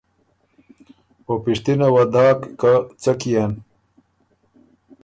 او پِشتِنه وه داک که څۀ کيېن؟